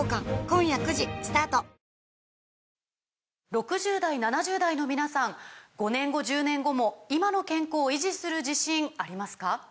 ６０代７０代の皆さん５年後１０年後も今の健康維持する自信ありますか？